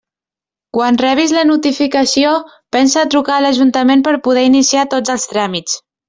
Quan rebis la notificació, pensa a trucar a l'ajuntament per poder iniciar tots els tràmits.